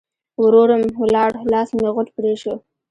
ورور م ولاړ؛ لاس مې غوټ پرې شو.